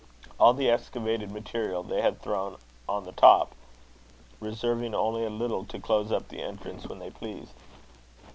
All the excavated material they had thrown on the top, reserving only a little to close up the entrance when they pleased.